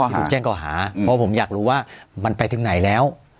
ถูกแจ้งก่อหาเพราะผมอยากรู้ว่ามันไปถึงไหนแล้ว